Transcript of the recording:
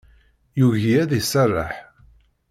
Yugi ad iserreḥ.